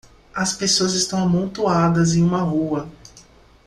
As pessoas estão amontoadas em uma rua.